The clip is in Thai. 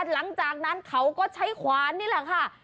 หลังจากนั้นเขาก็ใช้ขวานนี่แหละค่ะ